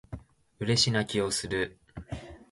嬉し泣きをする